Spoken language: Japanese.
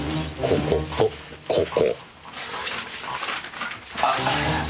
こことここ。